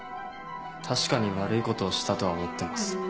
確かに悪いことをしたとは思ってます。